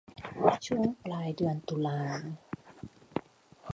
ช่วงปลายเดือนตุลา